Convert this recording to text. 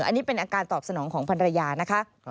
อันนี้เป็นอาการตอบสนองของภรรยานะคะ